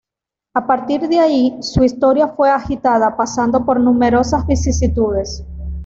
A partir de ahí su historia fue muy agitada, pasando por numerosas vicisitudes.